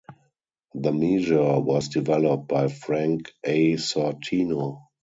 The measure was developed by Frank A. Sortino.